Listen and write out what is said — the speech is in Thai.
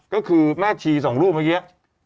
ก็คือแม่ชีสองรูปเมื่อกี้